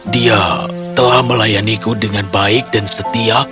dia telah melayaniku dengan baik dan setia